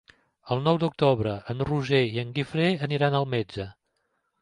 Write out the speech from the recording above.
El nou d'octubre en Roger i en Guifré aniran al metge.